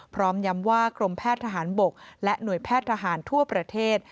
พร้อมย้ำว่ากรมแพทย์ทหารบกและหน่วยแพทย์ทหารทั่วประเทศ